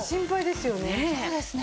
そうですね。